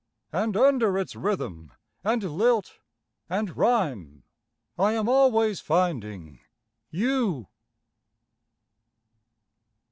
And under its rhythm, and lilt, and rhyme, I am always finding—you.